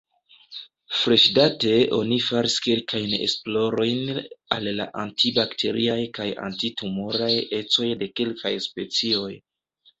Freŝdate oni faris kelkajn esplorojn al la anti-bakteriaj kaj anti-tumoraj ecoj de kelkaj specioj.